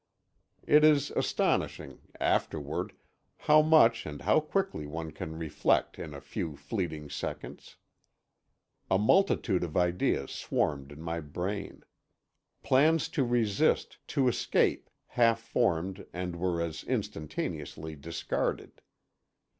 It is astonishing—afterward—how much and how quickly one can reflect in a few fleeting seconds. A multitude of ideas swarmed in my brain. Plans to resist, to escape, half formed and were as instantaneously discarded.